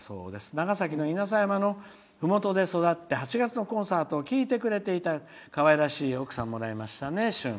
長崎の稲佐山のふもとで育って８月のコンサートを聴いてくれていたかわいらしい奥さんをもらいましたね、しゅん。